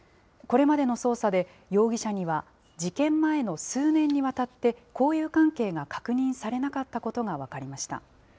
これまでの捜査で、容疑者には事件前の数年にわたって、交友関係が確認されなかったことが分かりました。